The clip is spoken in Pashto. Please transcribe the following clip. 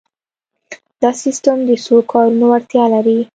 دا سیسټم د څو کارونو وړتیا لري.